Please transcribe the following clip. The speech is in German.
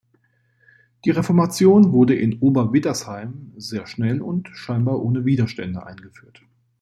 Die Reformation wurde in Ober-Widdersheim sehr schnell und scheinbar ohne Widerstände eingeführt.